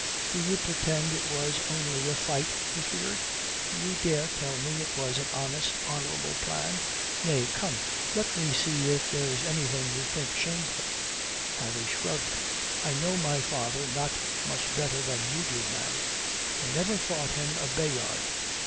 "Do you pretend it was only a fight he feared? Do you dare tell me it was an honest, honourable plan? Nay, come, let me see if there's anything you think shameful." Harry shrugged. "I know my father not much better than you do, ma'am. I never thought him a Bayard.